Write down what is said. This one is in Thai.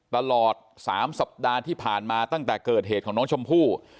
ตลอด๓สัปดาห์ที่ผ่านมาตั้งแต่เกิดเหตุของน้องชมพู่